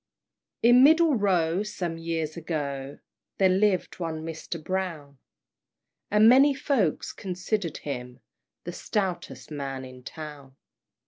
In Middle Row, some years ago, There lived one Mr. Brown; And many folks considered him The stoutest man in town.